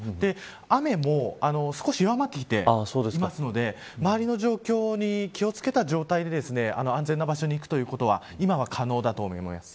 雨も少し弱まってきていますので周りの状況に気を付けた状態で安全な場所に行くということは今は可能だと思います。